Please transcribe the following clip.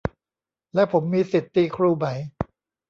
แล้วผมมีสิทธิ์ตีครูไหม